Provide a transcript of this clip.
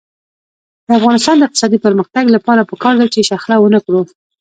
د افغانستان د اقتصادي پرمختګ لپاره پکار ده چې شخړه ونکړو.